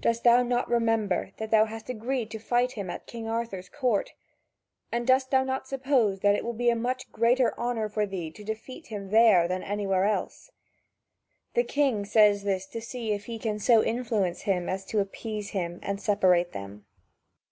Dost thou not remember that thou hast agreed to fight him at King Arthur's court? And dost thou not suppose that it would be a much greater honour for thee to defeat him there than anywhere else?" The king says this to see if he can so influence him as to appease him and separate them.